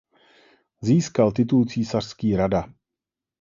Získal titul císařský rada.